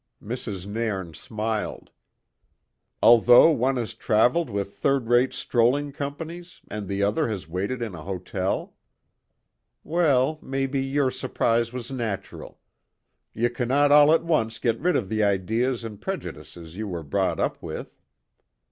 Mrs. Nairn smiled. "Although one has travelled with third rate strolling companies and the other has waited in an hotel? Weel, maybe your surprise was natural. Ye cannot all at once get rid of the ideas and prejudices ye were brought up with."